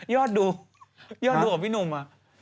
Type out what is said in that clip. ยอดดูยอดดูเหรอพี่หนุ่ม